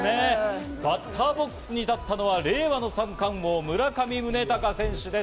バッターボックスに立ったのは令和の三冠王・村上宗隆選手です。